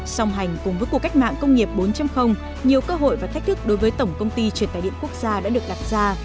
song hành cùng với cuộc cách mạng công nghiệp bốn nhiều cơ hội và thách thức đối với tổng công ty truyền tài điện quốc gia đã được đặt ra